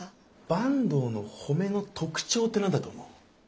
坂東の褒めの特徴って何だと思う？